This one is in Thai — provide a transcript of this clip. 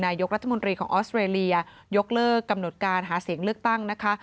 นายกรัฐมนตรีของออสเตรเลียยกเลิกกำหนดการหาเสียงเลือกตั้งนะคะ